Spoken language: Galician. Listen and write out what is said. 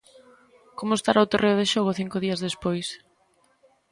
Como estará o terreo de xogo cinco días despois?